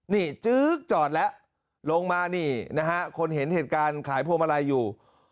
นี่จึ๊กจอดแล้วลงมานี่นะฮะคนเห็นเหตุการณ์ขายพวงมาลัยอยู่